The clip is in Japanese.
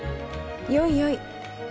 よいよい。